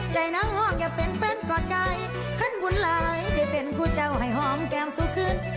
ใจหน้าหอกอย่าเป็นแฟนกว่ากายขั้นบุญลายให้เป็นผู้เจ้าให้หอมแก้มสุขึ้น